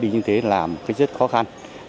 như thế là một cái rất khó khăn